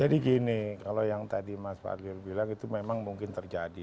jadi gini kalau yang tadi mas fadlir bilang itu memang mungkin terjadi